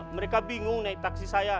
mereka bingung naik taksi saya